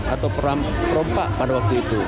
atau perompak pada waktu itu